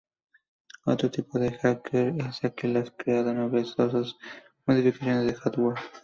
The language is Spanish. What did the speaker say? Otro tipo de hacker es aquel que crea novedosas modificaciones de hardware.